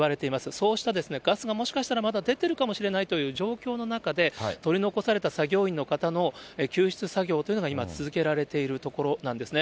そうしたガスがもしかしたらまだ出てるかもしれないという状況の中で、取り残された作業員の方の救出作業というのが、今、続けられているところなんですね。